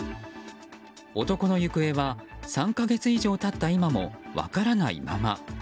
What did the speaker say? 男の行方は３か月以上経った今も分からないまま。